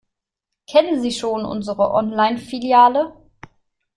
Kennen Sie schon unsere Online-Filiale?